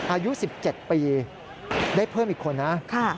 อายุ๑๗ปีได้เพิ่มอีกคนนะ